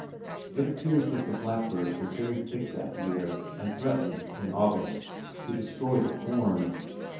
It appears that the blackbirds were very thick that year and threatened, in August, to destroy the corn.